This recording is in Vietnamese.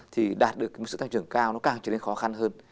thì đạt được sự tăng trưởng cao nó càng trở nên khó khăn hơn